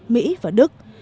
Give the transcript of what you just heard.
mỹ và đức